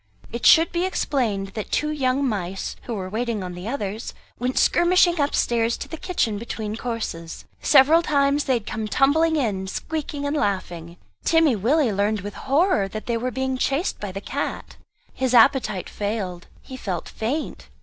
It should be explained that two young mice, who were waiting on the others, went skirmishing upstairs to the kitchen between courses. Several times they had come tumbling in, squeaking and laughing; Timmy Willie learnt with horror that they were being chased by the cat. His appetite failed, he felt faint.